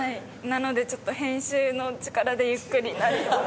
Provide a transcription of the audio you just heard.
なのでちょっと編集の力でゆっくりになるように。